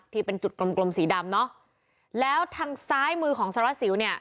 ที่เป็นจุดกลมกลมสีดำเนอะแล้วทางซ้ายมือของสารวัสสิวเนี่ย